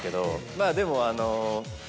まぁでもあの。